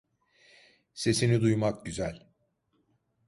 Sesini duymak güzel.